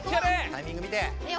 タイミング見て。